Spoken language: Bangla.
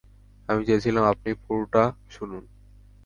আমি চেয়েছিলাম আপনি পুরোটা শুনুন।